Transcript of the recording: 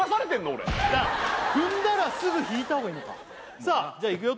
俺踏んだらすぐ引いた方がいいのかさあじゃあいくよ